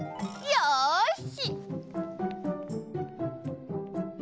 よし！